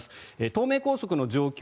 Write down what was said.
東名高速の状況